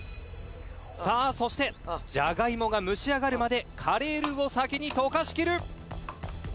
「そしてじゃがいもが蒸し上がるまでカレールーを先に溶かしきる」